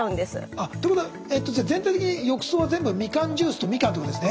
あっってことは全体的に浴槽は全部みかんジュースとみかんってことですね。